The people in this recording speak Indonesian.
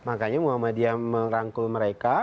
makanya muhammadiyah merangkul mereka